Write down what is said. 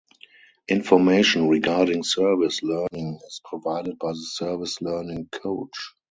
Information regarding service learning is provided by the Service Learning Coach.